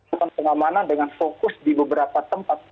melakukan pengamanan dengan fokus di beberapa tempat